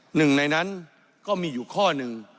หนึ่งในนั้นก็มีอยู่ข้อหนึ่ง